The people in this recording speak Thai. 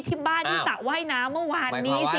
ที่บ้านที่สระว่ายน้ำเมื่อวานนี้สิ